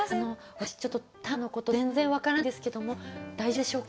私ちょっと短歌のこと全然分からないんですけども大丈夫でしょうか？